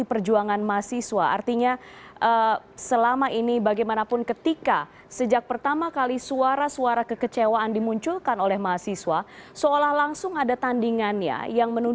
bersama bapak bapak sekalian